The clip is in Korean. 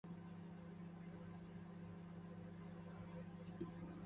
동혁은 잠자코 청년들의 뒤를 따라 내려왔다.